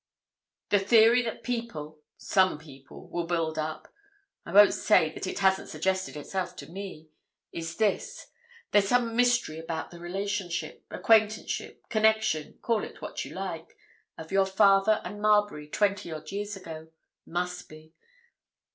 The theory that people—some people—will build up (I won't say that it hasn't suggested itself to me) is this:—There's some mystery about the relationship, acquaintanceship, connection, call it what you like, of your father and Marbury twenty odd years ago. Must be.